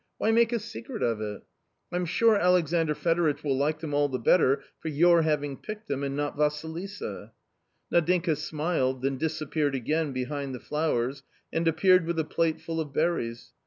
Why make a secret of it ? I'm sure Alexandr Fedoritch will like them all the better for you're having picked them, and not Vassilisa." Nadinka smiled, then disappeared again behind the flowers and appeared with a plate full of berries.